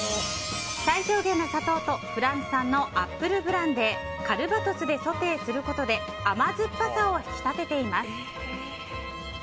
最小限の砂糖とフランス産のアップルブランデーカルバトスでソテーすることで甘酸っぱさを引き立てています。